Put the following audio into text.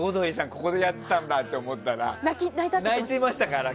ここでやってたんだって思ったら泣いてましたから。